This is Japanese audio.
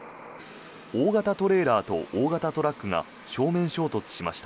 大型トレーラーと大型トラックが正面衝突しました。